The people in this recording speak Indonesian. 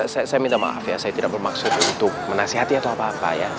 saya minta maaf ya saya tidak bermaksud untuk menasehati atau apa apa ya